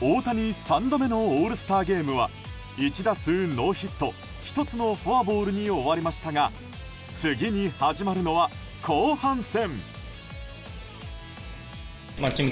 大谷、３度目のオールスターゲームは１打数ノーヒット１つのフォアボールに終わりましたが次に始まるのは後半戦。